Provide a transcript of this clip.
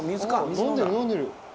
飲んでる飲んでる。